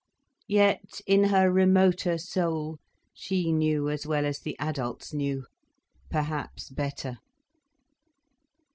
Yet in her remoter soul, she knew as well as the adults knew: perhaps better.